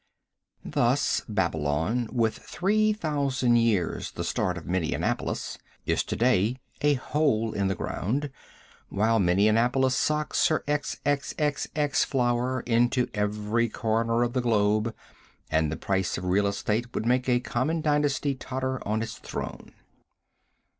Thus Babylon, with 3,000 years the start of Minneapolis, is to day a hole in the ground, while Minneapolis socks her XXXX flour into every corner of the globe, and the price of real estate would make a common dynasty totter on its throne.